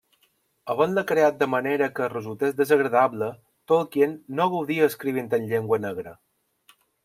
Havent-la creat de manera que resultés desagradable, Tolkien no gaudia escrivint en llengua negra.